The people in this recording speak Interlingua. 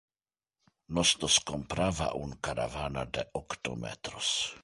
Nos nos comprava un caravana de octo metros.